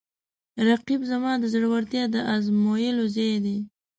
رقیب زما د زړورتیا د ازمویلو ځای دی